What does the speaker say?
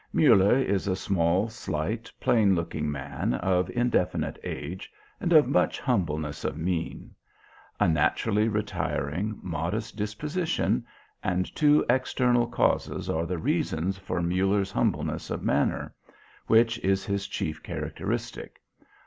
Muller is a small, slight, plain looking man, of indefinite age, and of much humbleness of mien. A naturally retiring, modest disposition, and two external causes are the reasons for Muller's humbleness of manner, which is his chief characteristic.